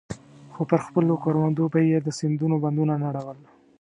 خو پر خپلو کروندو به يې د سيندونو بندونه نړول.